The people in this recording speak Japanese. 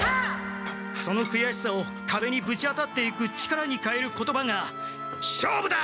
そのくやしさをかべにぶち当たっていく力にかえる言葉が「勝負だ！」